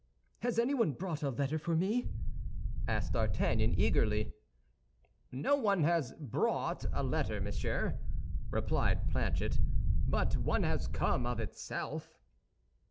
"Has anyone brought a letter for me?" asked D'Artagnan, eagerly. "No one has brought a letter, monsieur," replied Planchet; "but one has come of itself."